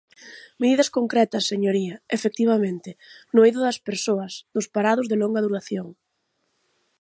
Medidas concretas, señoría, efectivamente, no eido das persoas, dos parados de longa duración.